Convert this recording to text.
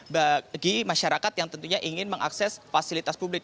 bagi masyarakat yang tentunya ingin mengakses fasilitas publik